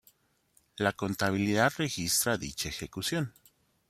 La contabilidad registra dicha ejecución.